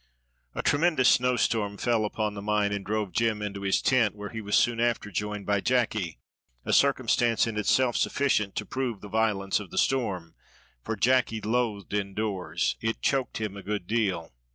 A TREMENDOUS snow storm fell upon the mine and drove Jem into his tent, where he was soon after joined by Jacky, a circumstance in itself sufficient to prove the violence of the storm, for Jacky loathed indoors, it choked him a good deal.